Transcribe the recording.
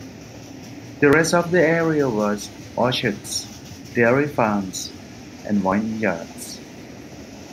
The rest of the area was orchards, dairy farms and vineyards.